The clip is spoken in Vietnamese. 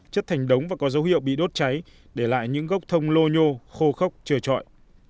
chất thành đống và có dấu hiệu bị đốt cháy để lại những gốc thông lô nhô khô khốc trời trọi